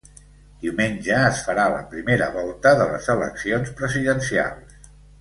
Diumenge es farà la primera volta de les eleccions presidencials.